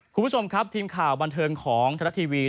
คุณผู้ชมครับทีมข่าวบันเทิงของธนัดทีวี